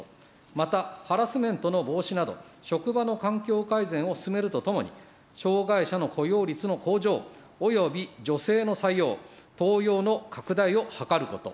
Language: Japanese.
また、ハラスメントの防止など、職場の環境改善を進めるとともに、障害者の雇用率の向上および女性の採用、登用の拡大を図ること。